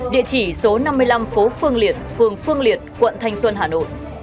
địa chỉ số năm mươi năm phố phương liệt phường phương liệt quận thanh xuân hà nội